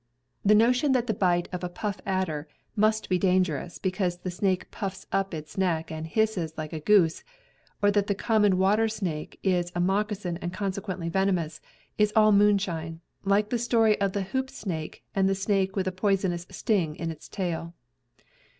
The notion that the bite of a puff adder nostril Head of Rattlesnake. (After Stejneger.) must be dangerous, because the snake puffs up its neck and hisses like a goose, or that the common water snake is a moccasin and consequently venomous, is all moonshine, Hke the story of the hoop snake and the snake with a poisonous sting in its tail.